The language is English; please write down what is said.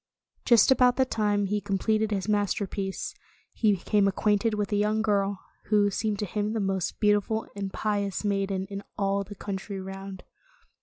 Just about the time he completed his masterpiece, he became acquainted with a young girl, who , seemed to him the most beautiful and pious maiden in all the coun try round.